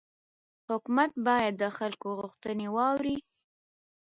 حکومت باید د خلکو غوښتنې واوري